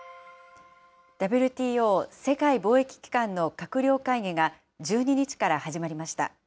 ＷＴＯ・世界貿易機関の閣僚会議が１２日から始まりました。